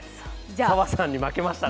澤さんに負けますね。